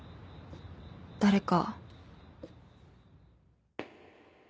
誰か